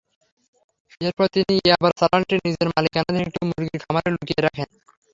এরপর তিনি ইয়াবার চালানটি নিজের মালিকানাধীন একটি মুরগির খামারে লুকিয়ে রাখেন।